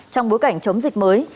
trong bối cảnh chống dịch mới